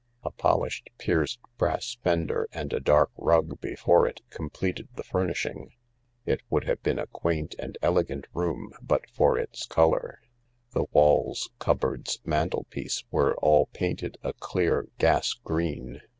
A polished pierced brass fender and a dark rug before it completed the furnishing. It would have been a quaint and THE LARK T9 elegant room but for its colour — the walls, cupboards, mantel piece, all were painted a clear gas green.